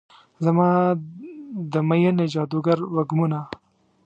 زما د میینې جادوګر وږمونه